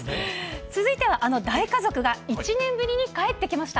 続いてはあの大家族が１年ぶりに帰ってきました。